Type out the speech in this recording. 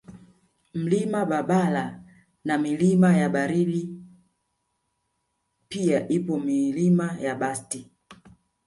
Mlima Babala na Milima ya Baridi pia ipo Milima ya Bast